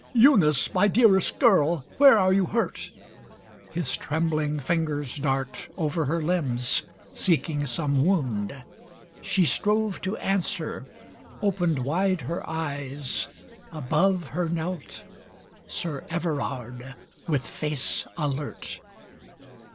"Eunice, my Dearest Girl, where are you hurt?" His trembling fingers dart Over her limbs seeking some wound. She strove To answer, opened wide her eyes, above Her knelt Sir Everard, with face alert.